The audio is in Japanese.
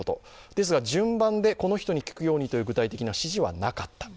ですが順番で、この人に聞くようにという具体的な指示はなかった。